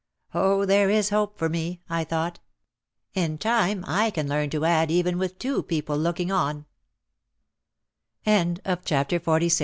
"Oh, there is hope for me," I thought. "In time I can learn to add even with two people looking 224 OUT OF THE SHADOW XL